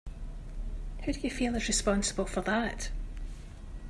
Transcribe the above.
Who do you feel is responsible for that?